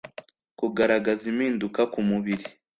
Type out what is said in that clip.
kugaragaza impinduka ku mubiri